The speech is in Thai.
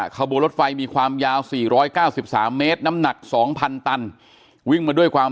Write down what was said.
ขบวนรถไฟมีความยาว๔๙๓เมตรน้ำหนัก๒๐๐ตันวิ่งมาด้วยความ